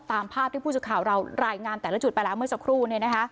ตามภาพที่ผู้สื่อข่าวเรารายงานแต่ละจุดไปแล้วเมื่อสักครู่